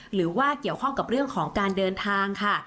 หรือว่าเกี่ยวข้องกับเรื่องของการเดินทางค่ะ